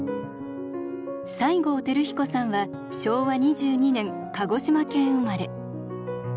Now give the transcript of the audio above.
西郷輝彦さんは昭和２２年鹿児島県生まれ。